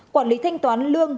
quản lý thanh toán lương